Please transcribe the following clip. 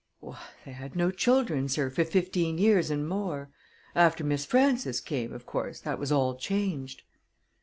"Why, they had no children, sir, for fifteen years and more. After Miss Frances came, of course, that was all changed."